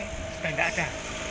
sudah enggak ada